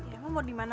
ya mau dimana